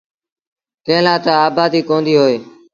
ڪݩهݩ لآ تا آبآديٚ ڪونديٚ هوئي۔